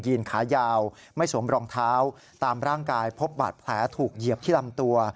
ขายาวไม่สวมรองเท้าตามร่างกายพบบาดแผลถูกเหยียบที่ลำตัว